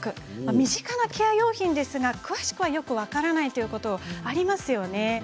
身近なケア用品ですが詳しくはよく分からないということありますよね。